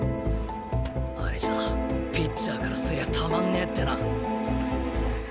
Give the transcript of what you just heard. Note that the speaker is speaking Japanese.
あれじゃあピッチャーからすりゃたまんねえってな！